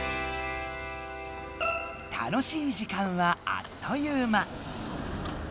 楽しい時間はあっという間。